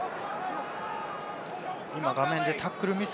今、画面でタックルミス。